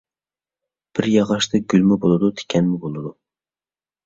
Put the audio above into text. بىر ياغاچتا گۈلمۇ بولىدۇ، تىكەنمۇ بولىدۇ.